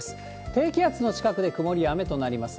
低気圧の近くで曇りや雨となります。